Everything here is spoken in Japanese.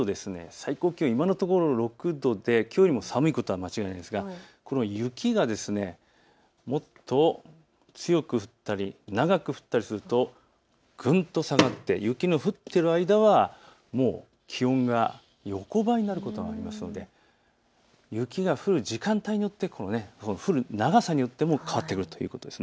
最高気温、今のところ６度できょうよりも寒いことは間違いないですがこの雪がもっと強く降ったり長く降ったりするとぐんと下がって雪の降っている間は気温が横ばいになることが予想されますので雪が降る時間帯によって長さによって変わってくるということです。